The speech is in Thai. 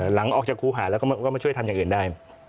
หลังออกจากครูหาแล้วก็มาช่วยทำอย่างอื่นได้